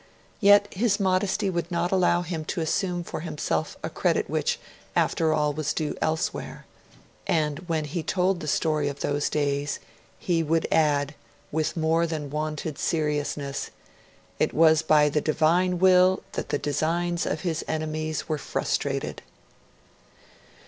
Yet his modesty would not allow him to assume for himself a credit which, after all, was due elsewhere; and when he told the story of those days, he would add, with more than wonted seriousness, 'It was by the Divine Will that the designs of His enemies were frustrated'.